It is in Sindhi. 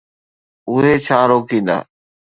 اهي ڇا روڪيندا؟